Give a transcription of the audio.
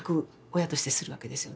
親としてするわけですよね。